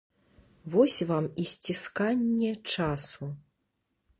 Вось вам і сцісканне часу.